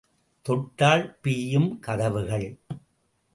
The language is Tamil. தொட்டால் பிய்யும் கதவுகள்.